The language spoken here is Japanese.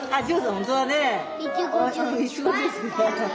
本当だね。